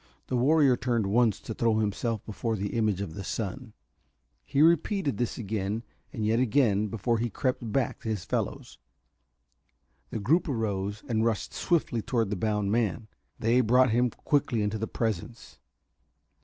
The warrior turned once to throw himself before the image of the sun; he repeated this again and yet again before he crept back to his fellows. The group arose and rushed swiftly toward the bound man. They brought him quickly into the presence.